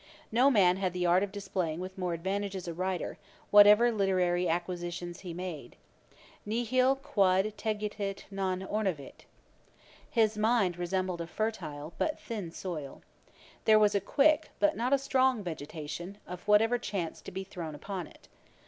No man had the art of displaying with more advantage as a writer, whatever literary acquisitions he made. 'Nihil quod tetigit non ornavit'. His mind resembled a fertile, but thin soil. There was a quick, but not a strong vegetation, of whatever chanced to be thrown upon it.